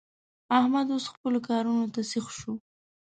احمد اوس خپلو کارو ته سيخ شو.